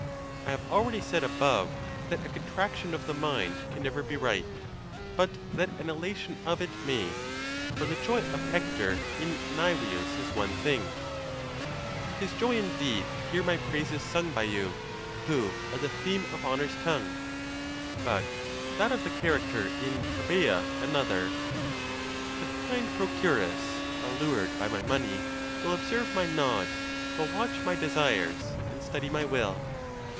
I have already said above, that a contraction of the mind can never be right, but that an elation of it may; for the joy of Hector in Nevius is one thing— 'Tis joy indeed to hear my praises sung By you, who are the theme of honor's tongue— but that. of the character in Trabea another: '' The kind procuress, allured by my money, will observe my nod, will watch my desires, and study my will.